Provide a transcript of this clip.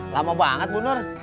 lama banget bu nur